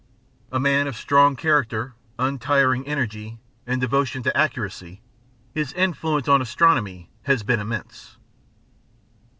A man of strong character, untiring energy, and devotion to accuracy, his influence on astronomy has been immense.